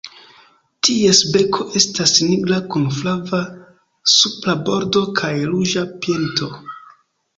Ties beko estas nigra kun flava supra bordo kaj ruĝa pinto.